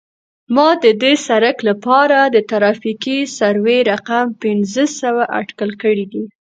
ما د دې سرک لپاره د ترافیکي سروې رقم پنځه سوه اټکل کړی دی